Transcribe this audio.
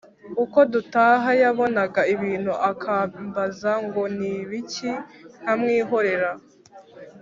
uko dutaha yabonaga ibintu akambaza ngo ni ibiki, nkamwihorera.